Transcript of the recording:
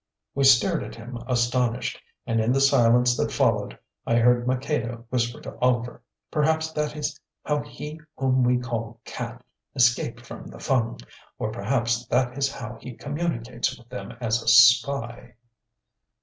We stared at him astonished, and in the silence that followed I heard Maqueda whisper to Oliver: "Perhaps that is how he whom we call Cat escaped from the Fung; or perhaps that is how he communicates with them as a spy."